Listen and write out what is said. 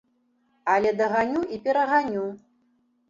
Але даганю і пераганю!